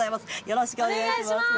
よろしくお願いします